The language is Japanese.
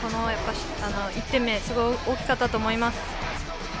１点目、すごい大きかったと思います。